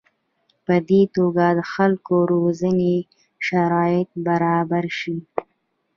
په دې توګه د خلکو روزنې شرایط برابر شي.